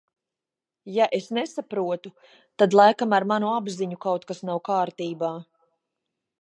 Ja es nesaprotu, tad laikam ar manu apziņu kaut kas nav kārtībā.